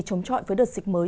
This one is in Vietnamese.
chống chọi với đợt dịch mới